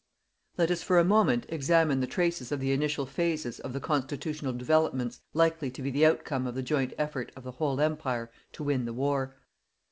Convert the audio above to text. Let us for a moment examine the traces of the initial phases of the constitutional developments likely to be the outcome of the joint effort of the whole Empire to win the war.